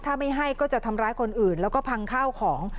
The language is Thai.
ถ้าไม่ให้ก็จะทำร้ายคนอื่นแล้วก็พังข้าวของ